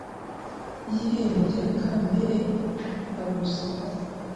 y'irembo rya kambere abuza